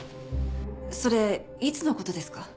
それいつの事ですか？